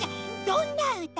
どんなうた？